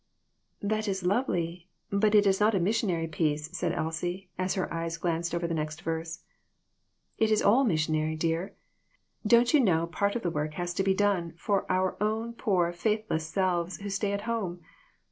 "That is lovely; but it is not a missionary piece," said Elsie, as her eyes glanced over the next verse. " It is all missionary, dear. Don't you know part of the work has to be done for our own poor faithless selves who stay at home?